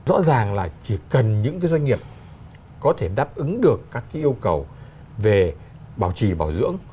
rõ ràng là chỉ cần những cái doanh nghiệp có thể đáp ứng được các cái yêu cầu về bảo trì bảo dưỡng